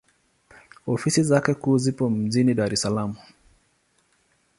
Ofisi zake kuu zipo mjini Dar es Salaam.